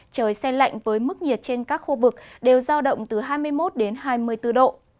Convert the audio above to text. trời xe lạnh với mức nhiệt trên các khu vực đều giao động từ hai mươi một đến hai mươi bốn độ